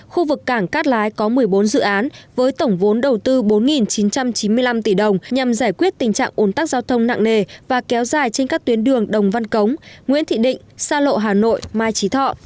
khu vực cảng cát lái có một mươi bốn dự án với tổng vốn đầu tư bốn chín trăm chín mươi năm tỷ đồng nhằm giải quyết tình trạng ồn tắc giao thông nặng nề và kéo dài trên các tuyến đường đồng văn cống nguyễn thị định sa lộ hà nội mai trí thọ